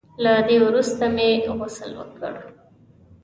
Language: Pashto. له دې وروسته مې غسل وکړ.